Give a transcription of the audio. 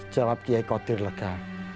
jawab giai kodir lega